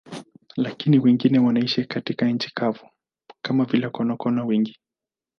Lakini wengine wanaishi katika nchi kavu, kama vile konokono wengi.